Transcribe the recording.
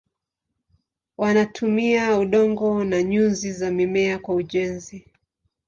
Wanatumia udongo na nyuzi za mimea kwa ujenzi.